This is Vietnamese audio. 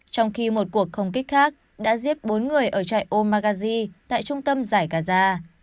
trong khi một cuộc không kích khác đã giếp bốn người ở trại omagazi tại trung tâm giải gaza